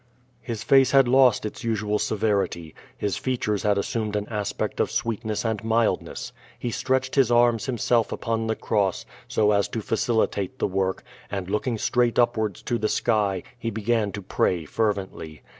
His face had lost its usual severity: his features had as sumed an aspect of sweetness and mildness. He stretched his arms himself upon the cross, so as to facilitate the work, and, looking straight upwards to the sky, he began to pray fervently.